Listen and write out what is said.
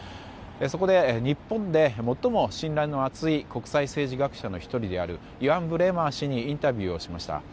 そこで日本で最も信頼の厚い国際政治学者の１人であるイアン・ブレマー氏にインタビューしました。